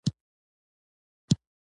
مومن خان وویل په څو مو وغوښتله.